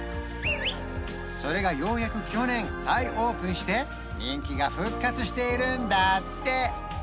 それがようやく去年再オープンして人気が復活しているんだって